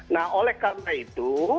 nah oleh karena itu